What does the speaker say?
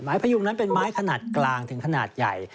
พยุงนั้นเป็นไม้ขนาดกลางถึงขนาดใหญ่